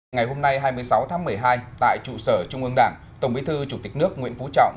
ngày hôm nay hai mươi sáu tháng một mươi hai tại trụ sở trung ương đảng tổng bí thư chủ tịch nước nguyễn phú trọng